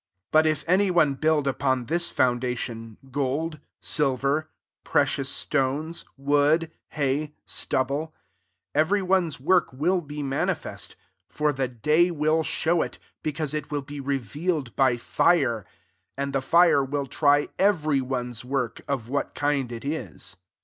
12 But if any one build upon [this] foundation, gold, ulver, precious stones, wood, ha/t stubble, 13 every one's work will be manifest : for the dij will show it, because it will he revealed by fire; and the fira will try every one's work, oJ what kind it is.